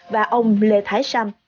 và ông lê thái sam